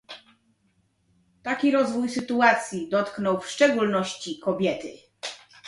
Taki rozwój sytuacji dotknął w szczególności kobiety